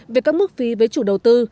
về các mức phí với chủ đầu tư